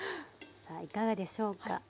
さあいかがでしょうか。